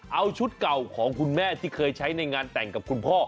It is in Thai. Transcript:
เอาชุดเก่าของคุณแม่ที่เคยใช้ในงานแต่งกับคุณพ่อ